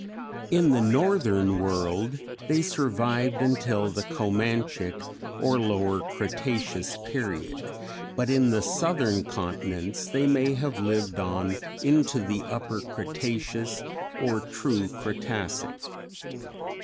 In the Northern world they survived until the Comanchic or Lower Cretaceous Period, but in the southern continents they may have lived on into the Upper Cretaceous or true Cretacic.